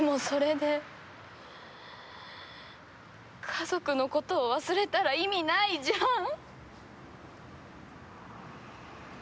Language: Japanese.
家族のことを忘れたら意味ないじゃん！